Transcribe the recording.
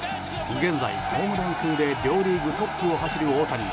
現在、ホームラン数で両リーグトップを走る大谷。